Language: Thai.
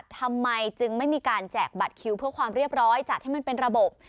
ทำไมจึงไม่มีการแจกบัตรคิวเพื่อความเรียบร้อยจัดให้มันเป็นระบบ